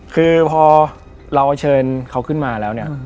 คือพอเราเชิญเขาขึ้นมาแล้วเนี่ย